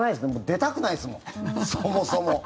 出たくないですもん、そもそも。